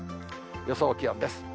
予想気温です。